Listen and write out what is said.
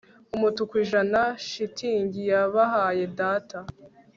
umutuku ijana-shitingi. yabahaye data